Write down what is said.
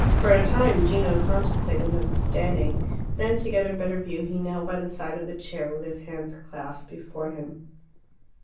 For a time Gino contemplated them standing. Then, to get a better view, he knelt by the side of the chair, with his hands clasped before him.